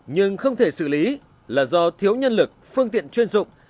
nhưng không thể xử lý là do thiếu nhân lực phương tiện chuyên dụng